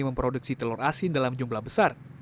memproduksi telur asin dalam jumlah besar